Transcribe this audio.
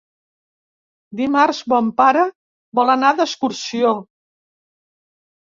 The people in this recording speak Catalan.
Dimarts mon pare vol anar d'excursió.